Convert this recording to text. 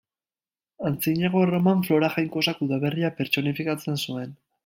Antzinako Erroman, Flora jainkosak udaberria pertsonifikatzen zuen.